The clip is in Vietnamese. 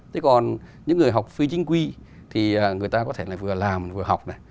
thế còn những người học phi chính quy thì người ta có thể là vừa làm vừa học này